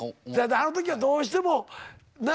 あの時はどうしてもなあ？